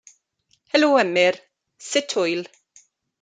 Helo Emyr, sut hwyl?